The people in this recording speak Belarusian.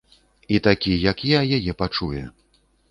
І такі, як я, яе пачуе.